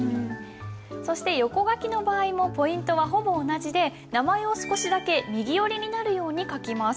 そして横書きの場合もポイントはほぼ同じで名前を少しだけ右寄りになるように書きます。